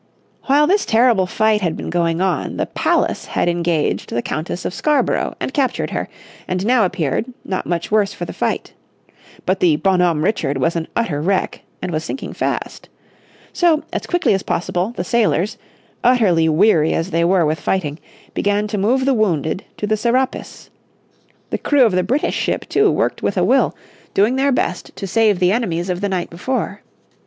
While this terrible fight had been going on the Pallas had engaged the Countess of Scarborough, and captured her, and now appeared, not much worse for the fight. But the Bonhomme Richard was an utter wreck, and was sinking fast. So as quickly as possible, the sailors, utterly weary as they were with fighting, began to move the wounded to the Serapis. The crew of the British ship, too, worked with a will, doing their best to save the enemies of the night before.